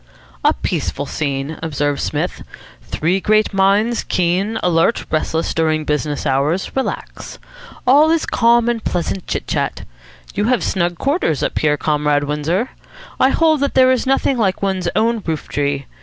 "A peaceful scene," observed Psmith. "Three great minds, keen, alert, restless during business hours, relax. All is calm and pleasant chit chat. You have snug quarters up here, Comrade Windsor. I hold that there is nothing like one's own roof tree.